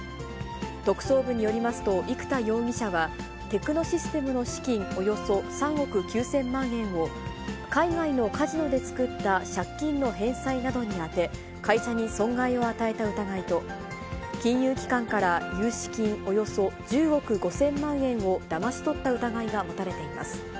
特捜部によりますと、生田容疑者は、テクノシステムの資金およそ３億９０００万円を、海外のカジノで作った借金の返済などに充て、会社に損害を与えた疑いと、金融機関から融資金およそ１０億５０００万円をだまし取った疑いが持たれています。